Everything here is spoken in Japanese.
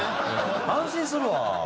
安心するわ。